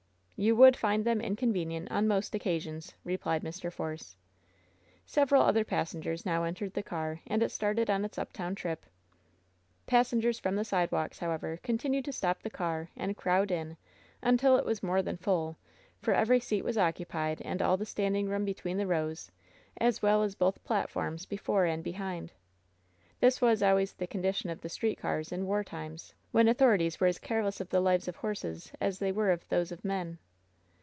"You would find them inconvenient on most occa sions," replied Mr. Force. Several other passengers now entered the car, and it started on its uptown trip. Passengers from the sidewalks, however, continued to stop the car and crowd in until it was more than full, for every seat was occupied, and all the standing room between the rows, as well as both platforms before and behind. This was always the condition of the street cars in war times, when authorities were as careless of the lives of horses as they were of those of men.